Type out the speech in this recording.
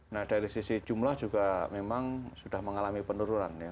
nah dari sisi jumlah juga memang sudah mengalami penurunan ya